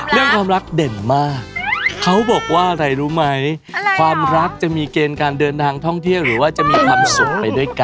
เรื่องความรักเด่นมากเขาบอกว่าอะไรรู้ไหมความรักจะมีเกณฑ์การเดินทางท่องเที่ยวหรือว่าจะมีความสุขไปด้วยกัน